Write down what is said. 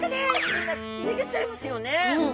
みんな逃げちゃいますよね。